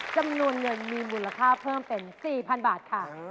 จำนวนเงินมีมูลค่าเพิ่มเป็น๔๐๐๐บาทค่ะ